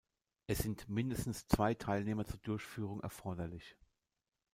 Es sind mindestens zwei Teilnehmer zur Durchführung erforderlich.